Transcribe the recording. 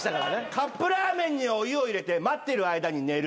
カップラーメンにお湯を入れて待ってる間に寝る。